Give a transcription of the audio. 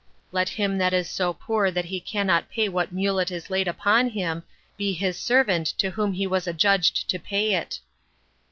Let him that is so poor that he cannot pay what mulet is laid upon him, be his servant to whom he was adjudged to pay it.